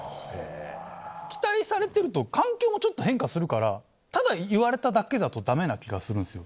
期待されてると環境もちょっと変化するからただ言われただけだとダメな気がするんですよ。